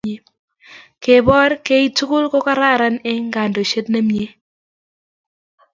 kepoor kei tugul ko Karan eng kandoishet ne mie